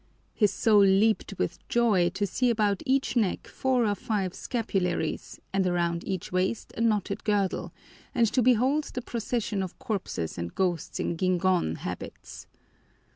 His soul leaped with joy to see about each neck four or five scapularies and around each waist a knotted girdle, and to behold the procession of corpses and ghosts in guingón habits.